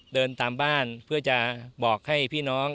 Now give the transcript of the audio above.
เดินตามบ้านเพื่อจะบอกให้พี่น้อง